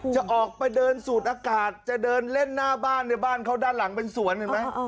จะออกไปเดินสูดอากาศจะเดินเล่นหน้าบ้านในบ้านเขาด้านหลังเป็นสวนเห็นไหม